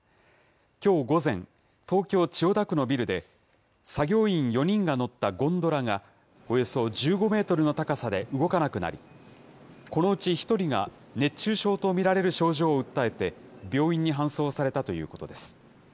きょう午前、東京・千代田区のビルで、作業員４人が乗ったゴンドラが、およそ１５メートルの高さで動かなくなり、このうち１人が熱中症と見られる症状を訴えて、病院に搬送されたということです。